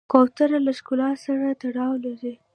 کوتره له ښکلا سره تړاو لري.